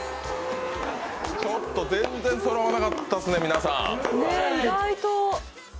ちょっと全然そろわなかったですね、皆さん。